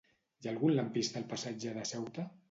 Hi ha algun lampista al passatge de Ceuta?